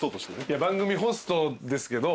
いや番組ホストですけど。